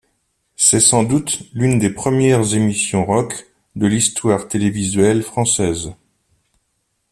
C’est sans doute l’une des premières émissions rock de l’histoire télévisuelle française.